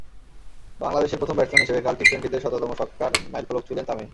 বাংলাদেশের প্রথম ব্যাটসম্যান হিসেবে কাল টি-টোয়েন্টিতে শততম ছক্কার মাইলফলক ছুঁলেন তামিম।